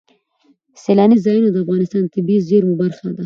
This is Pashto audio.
سیلانی ځایونه د افغانستان د طبیعي زیرمو برخه ده.